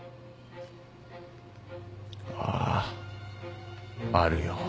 あああるよ。